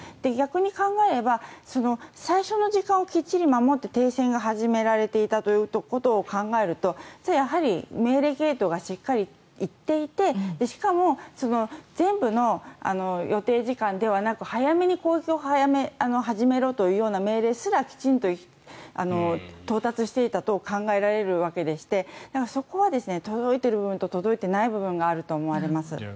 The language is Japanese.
逆に考えれば最初の時間をきっちり守って停戦が始められていたということを考えるとやはり命令系統がしっかり行っていてしかも全部の予定時間ではなく早めに攻撃を始めろというような命令すらきちんと到達していたと考えられるわけでしてそこは届いている部分と届いていない部分があると思います。